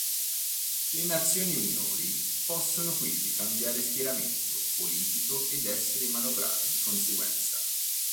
Le nazioni minori possono quindi cambiare schieramento politico ed essere manovrate di conseguenza.